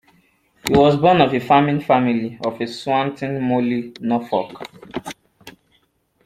He was born of a farming family of Swanton Morley, Norfolk.